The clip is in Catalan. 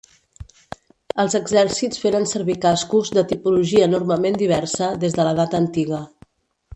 Els exèrcits feren servir cascos, de tipologia enormement diversa, des de l'Edat Antiga.